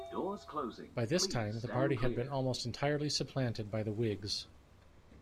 By this time, the party had been almost entirely supplanted by the Whigs.